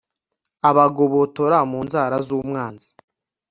abagobotora mu nzara z'umwanzi